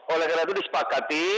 oleh karena itu disepakati